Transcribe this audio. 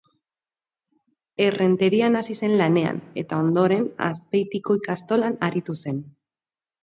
Errenterian hasi zen lanean, eta ondoren Azpeitiko ikastolan aritu zen.